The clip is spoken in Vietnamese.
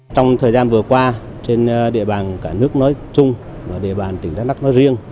trong thời gian vừa qua trên địa bàn cả nước nói chung và địa bàn tỉnh đắk lắc nói riêng